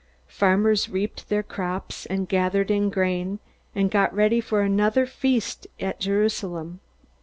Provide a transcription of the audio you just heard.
Farmers reaped their crops, and gathered in the grain, and got ready for another feast at Jerusalem.